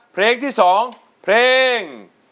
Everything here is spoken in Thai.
เพลงที่๒เพลง